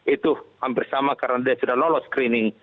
itu hampir sama karena dia sudah lolos screening